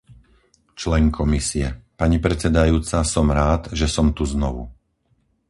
člen Komisie. - Pani predsedajúca, som rád, že som tu znovu.